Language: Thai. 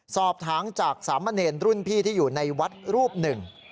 สอบถามจากสามเณรรุ่นพี่ที่อยู่ในวัดรูปหนึ่ง